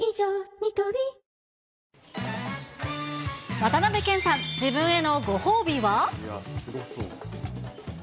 ニトリ渡辺謙さん、自分へのご褒美は？